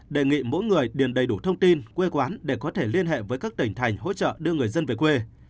đề nghị mỗi người điền đầy đủ thông tin quê quán để có thể liên hệ với các tỉnh thành hỗ trợ đưa người dân về quê